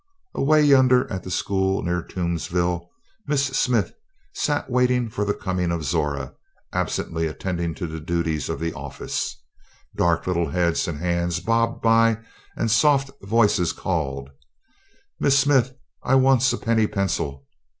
Away yonder at the school near Toomsville, Miss Smith sat waiting for the coming of Zora, absently attending the duties of the office. Dark little heads and hands bobbed by and soft voices called: "Miss Smith, I wants a penny pencil."